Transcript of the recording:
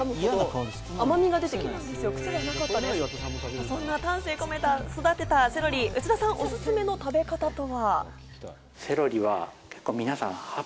そんな丹精込めて育てたセロリ、内田さんおすすめの食べ方とは？